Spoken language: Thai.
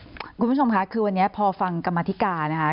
คุณผู้ชมค่ะคือวันนี้พอฟังกรรมธิการนะคะ